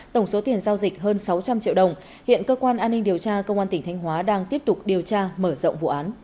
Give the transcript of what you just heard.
tổng số tiền giao dịch hơn sáu trăm linh triệu đồng